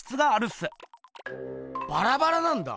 バラバラなんだ？